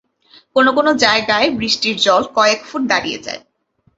কোন কোন জায়গায় বৃষ্টির জল কয়েক ফুট দাঁড়িয়ে যায়।